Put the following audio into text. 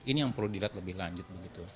ini yang perlu dilihat lebih lanjut begitu